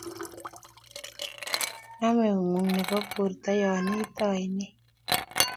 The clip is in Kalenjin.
naam eung'uk nebo borther yo iite aineet